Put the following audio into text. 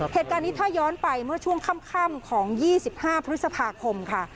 เหตุการณ์นี้ถ้าย้อนไปเมื่อช่วงค่ำของ๒๕พฤษภาคมค่ะ